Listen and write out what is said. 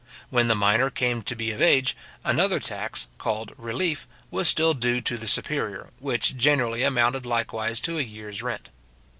When the minor came to be of age, another tax, called relief, was still due to the superior, which generally amounted likewise to a year's rent.